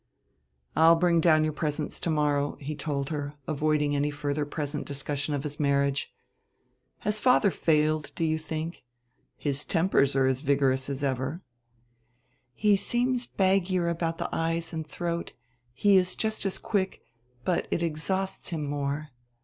"I'll bring down your presents to morrow," he told her, avoiding any further present discussion of his marriage. "Has father failed, do you think? His tempers are vigorous as ever." "He seems baggier about the eyes and throat. He is just as quick, but it exhausts him more.